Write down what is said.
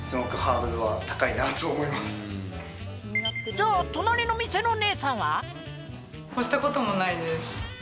じゃあ隣の店のねえさんは？